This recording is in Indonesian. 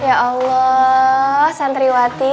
ya allah santriwati